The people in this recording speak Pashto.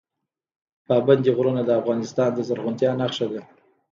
پابندی غرونه د افغانستان د زرغونتیا نښه ده.